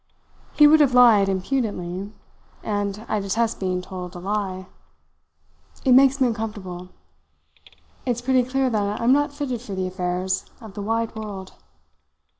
"He would have lied impudently and I detest being told a lie. It makes me uncomfortable. It's pretty clear that I am not fitted for the affairs of the wide world.